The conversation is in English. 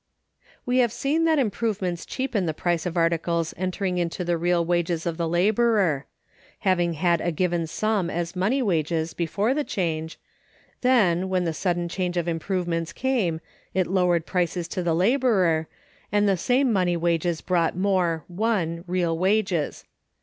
We have seen that improvements cheapen the price of articles entering into the real wages of the laborer. Having had a given sum as money wages before the change, then, when the sudden change of improvements came, it lowered prices to the laborer, and the same money wages bought more (1) real wages.